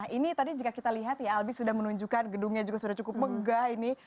ini tadi jika kita lihat ya albi sudah menunjukkan gedungnya juga sudah cukup megah ini